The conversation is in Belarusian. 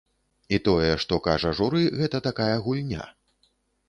І тое, што кажа журы, гэта такая гульня!